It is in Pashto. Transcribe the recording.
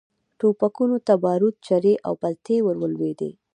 ټوپکونو ته باروت، چرې او پلتې ور ولوېدې.